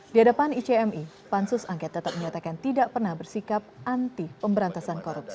di hadapan icmi pansus angket tetap menyatakan tidak pernah bersikap anti pemberantasan korupsi